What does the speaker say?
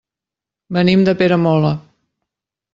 Venim de Peramola.